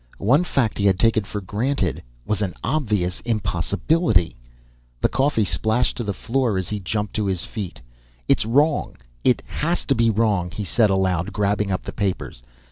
One fact he had taken for granted was an obvious impossibility. The coffee splashed to the floor as he jumped to his feet. "It's wrong ... it has to be wrong!" he said aloud, grabbing up the papers.